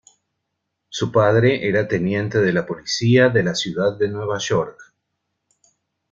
Su padre era teniente de la policía de la Ciudad de Nueva York.